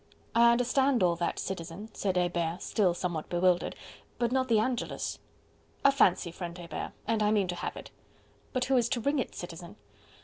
"I understand all that, Citizen," said Hebert, still somewhat bewildered, "but not the Angelus." "A fancy, friend Hebert, and I mean to have it." "But who is to ring it, Citizen?"